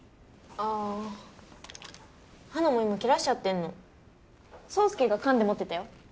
あハナも今切らしちゃってるの草介が缶で持ってたよ